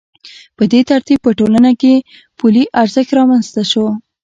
په دې ترتیب په ټولنه کې پولي ارزښت رامنځته شو